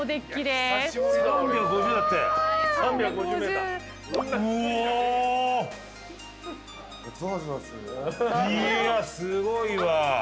いやすごいわ。